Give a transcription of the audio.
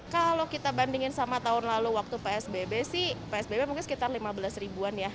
kalau kita bandingin sama tahun lalu waktu psbb sih psbb mungkin sekitar lima belas ribuan ya